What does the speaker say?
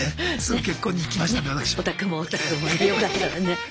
お宅もお宅もよかったわね。